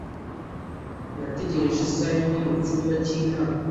Nategereje isaha imwe mu cyumba cy'inama.